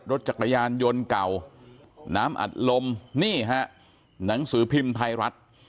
รถจักรยานยนต์เก่าน้ำอัดลมนี่ฮะหนังสือพิมพ์ไทยรัฐ